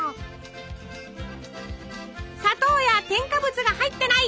砂糖や添加物が入ってない